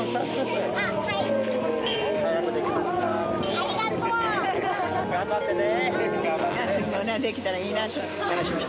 ありがとう。頑張ってね。